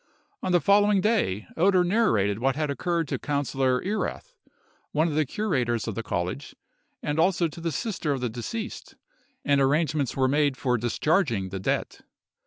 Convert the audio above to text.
On the following day, Oeder narrated what had occurred to Councillor Erath, one of the curators of the college, and also to the sister of the deceased, and arrangements were made for discharging the debt.